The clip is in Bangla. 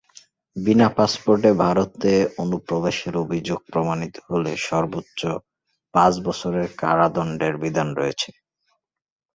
বিনা পাসপোর্টে ভারতে অনুপ্রবেশের অভিযোগ প্রমাণিত হলে সর্বোচ্চ পাঁচ বছরের কারাদণ্ডের বিধান রয়েছে।